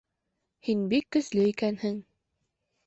Һин бик көслө икәнһең.